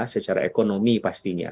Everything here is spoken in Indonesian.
secara ekonomi pastinya